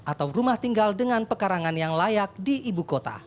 atau rumah tinggal dengan pekarangan yang layak di ibu kota